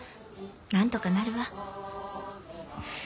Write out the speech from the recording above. なんとかなるわ。